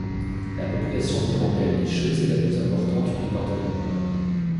La population d’hirondelles nicheuses est la plus importante du département.